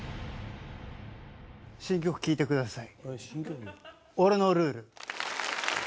新曲聴いてください。